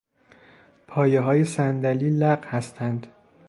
پایههای صندلی لق هستند.